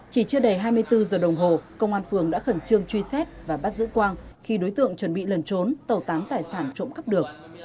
chỉ chưa đầy hai mươi bốn giờ đồng hồ công an phường đã khẩn trương truy xét và bắt giữ quang khi đối tượng chuẩn bị lần trốn tẩu tán tài sản trộm cắp được